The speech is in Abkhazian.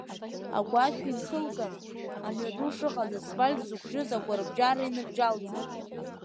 Агәашә инҭылган, амҩаду шыҟаз асфальт зықәшьыз агәарбжьара иныбжьалҵеит.